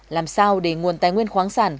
làm sao để nguồn tài nguyên khoáng sản